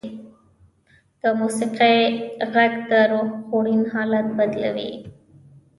د موسیقۍ ږغ د روح خوړین حالت بدلوي.